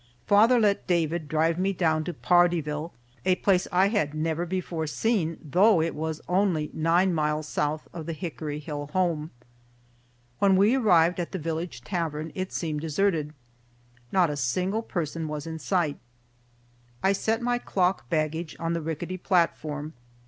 Father let David drive me down to Pardeeville, a place I had never before seen, though it was only nine miles south of the Hickory Hill home. When we arrived at the village tavern, it seemed deserted. Not a single person was in sight. I set my clock baggage on the rickety platform.